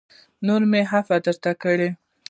نور مې عفوه درته کړې